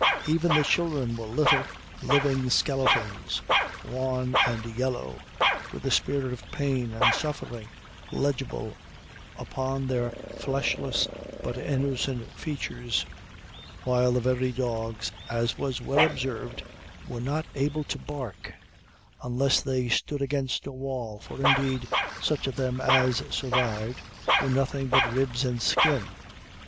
Even the children were little living skeletons, wan and yellow, with a spirit of pain and suffering legible upon their fleshless but innocent features while the very dogs, as was well observed, were not able to bark, unless they stood against a wall; for indeed, such of them as survived, were nothing but ribs and skin.